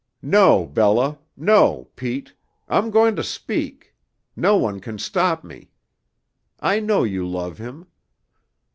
No, Bella; no, Pete; I'm going to speak; no one can stop me. I know you love him.